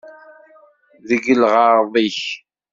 Deg lɣeṛḍ-ik!